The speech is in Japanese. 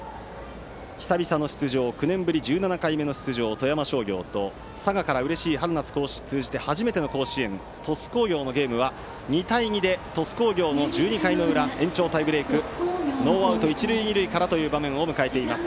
久々の出場９年ぶり１７回目の富山商業と佐賀からうれしい春夏通じて初めての甲子園鳥栖工業のゲームは、２対２で鳥栖工業の１２回の裏延長タイブレークノーアウト、一塁二塁からという場面を迎えています。